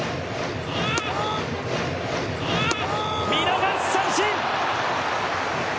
見逃し三振！